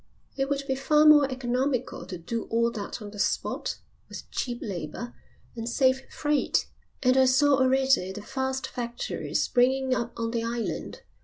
It would be far more economical to do all that on the spot, with cheap labour, and save freight, and I saw already the vast factories springing up on the island.